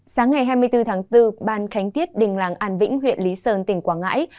sáng ngày hai mươi bốn tháng bốn ban khánh tiết đình làng an vĩnh huyện lý sơn tỉnh quảng ngãi